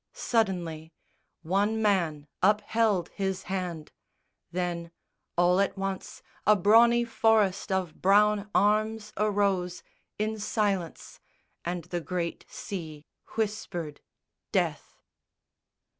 Suddenly, One man upheld his hand; then, all at once, A brawny forest of brown arms arose In silence, and the great sea whispered Death.